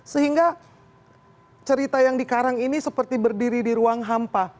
sehingga cerita yang di karang ini seperti berdiri di ruang hampa